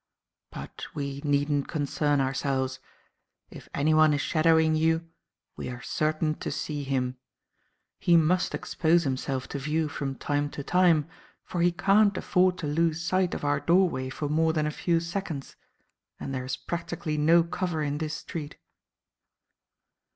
But we needn't concern ourselves. If anyone is shadowing you we are certain to see him. He must expose himself to view from time to time, for he can't afford to lose sight of our doorway for more than a few seconds, and there is practically no cover in this street."